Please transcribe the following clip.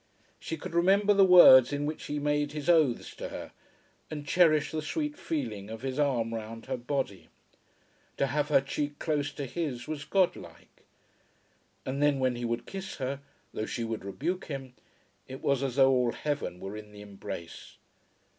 She could remember the words in which he made his oaths to her, and cherish the sweet feeling of his arm round her body. To have her cheek close to his was godlike. And then when he would kiss her, though she would rebuke him, it was as though all heaven were in the embrace.